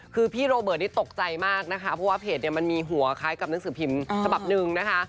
คือพี่โรเบิร์ตนี่ตกใจมากนะคะเพราะว่าเพจเนี่ยมันมีหัวคล้ายกับหนังสือพิมพ์ฉบับหนึ่งนะคะ